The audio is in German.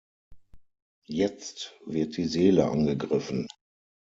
Jetzt wird die Seele angegriffen.